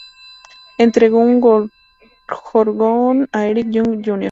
Entregó un jonrón a Eric Young, Jr.